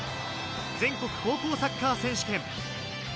全国高校サッカー選手権。